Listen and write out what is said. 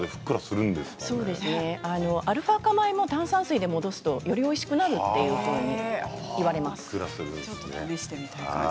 炭酸の効果でアルファ米も炭酸水で戻すとよりおいしくなると言われています。